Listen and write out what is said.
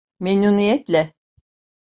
Memnuniyetle.